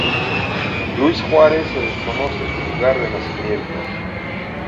Luis Juarez, se desconoce su lugar de nacimiento.